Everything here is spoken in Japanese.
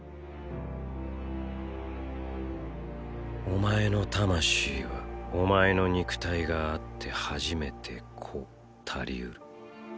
お前の魂はお前の肉体があって初めて「個」たりうる。